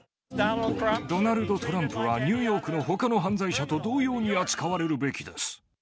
ドナルド・トランプは、ニューヨークのほかの犯罪者と同様に扱われるべきです。